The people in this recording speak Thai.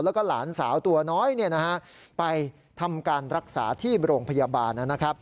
แล้วก็หลานสาวตัวน้อยไปทำการรักษาที่โรงพยาบาลนะครับ